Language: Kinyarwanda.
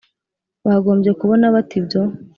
bagombye kubona bate ibyo